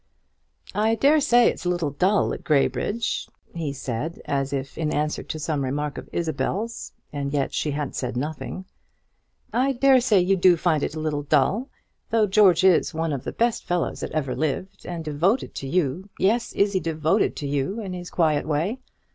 "I dare say it is a little dull at Graybridge," he said, as if in answer to some remark of Isabel's, and yet she had said nothing. "I dare say you do find it a little dull, though George is one of the best fellows that ever lived, and devoted to you; yes, Izzie, devoted to you, in his quiet way.